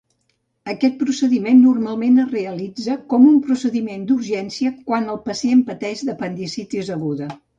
Aquest procediment normalment es realitza com un procediment d'urgència, quan el pacient pateix d'apendicitis aguda.